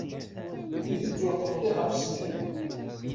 Tidet ur tebḍi ɣef snat.